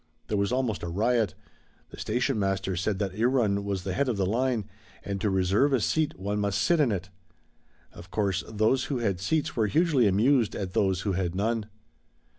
There was almost a riot. The station master said that Irun was the head of the line, and to reserve a seat one must sit in it. Of course those who had seats were hugely amused at those who had none.